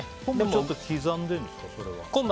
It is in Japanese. ちょっと刻んでるんですか？